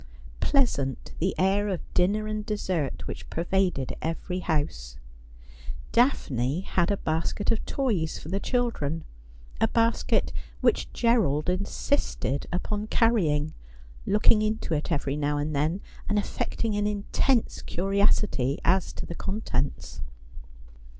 Pleasant the air of dinner and dessert which pervaded every house. Daphne had a basket of toys for the children ; a basket which Gerald insisted upon carrying, looking into it every now and then, and affecting an intense curiosity as to the contents.